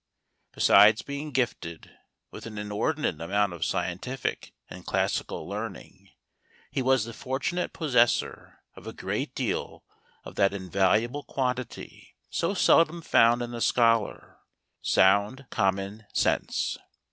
Besides being gifted with an inordinate amount of scientific and classical learning, he was the fortunate possessor of a great deal of that inval¬ uable quantity so seldom found in the scholar—sound common sense.